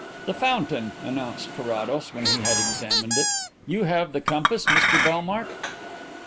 "The fountain," announced Carrados, when he had examined it. "You have the compass, Mr Bellmark?"